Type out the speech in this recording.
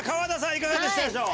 いかがでしたでしょう？